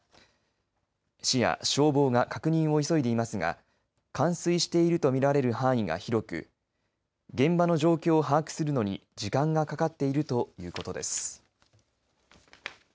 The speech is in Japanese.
市や消防が確認を急いでいますが冠水していると見られる範囲が広く現場の状況を把握するのに時間がかかっているということです。